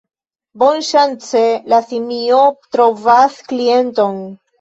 Bonŝance, la simio trovas klienton.